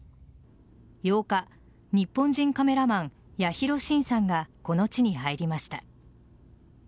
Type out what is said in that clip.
８日日本人カメラマン・八尋伸さんがこの地に入りました。